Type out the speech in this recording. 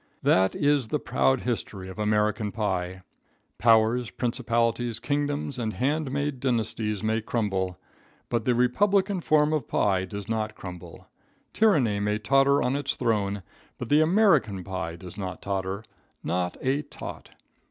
That is the proud history of American pie. Powers, principalities, kingdoms and hand made dynasties may crumble, but the republican form of pie does not crumble. Tyranny may totter on its throne, but the American pie does not totter. Not a tot.